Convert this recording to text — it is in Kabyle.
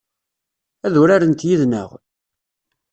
Ad urarent yid-neɣ?